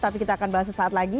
tapi kita akan bahas sesaat lagi